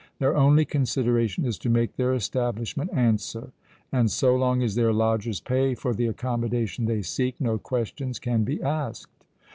Their only consideration is to make their establishment answer; and so long as their lodgers pay for the accommodation they seek, no questions can be asked.